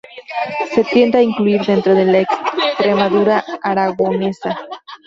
Se tiende a incluir dentro de la Extremadura aragonesa.